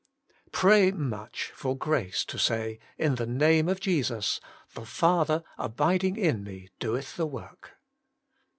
4. Pray much for grace to say, in the name of Jesus, ' The Father abiding in me doeth the work.'